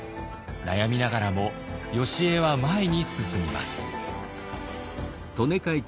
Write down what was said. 悩みながらもよしえは前に進みます。